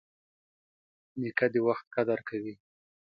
نیکه د وخت قدر کوي.